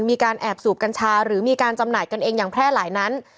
มีการแอบสูบกัญชาหรือมีการจำหน่ายกันเองอย่างแพร่หลายนั้น